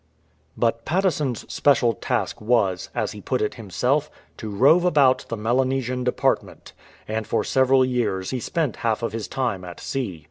But Patteson's special task was, as he put it himself, "to rove about the Melanesian department," and for several years he spent half of his time at sea.